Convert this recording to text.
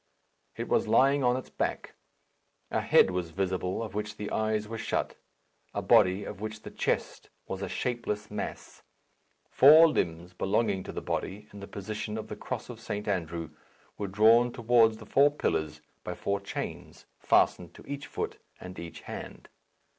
It was lying on its back; a head was visible, of which the eyes were shut; a body, of which the chest was a shapeless mass; four limbs belonging to the body, in the position of the cross of Saint Andrew, were drawn towards the four pillars by four chains fastened to each foot and each hand.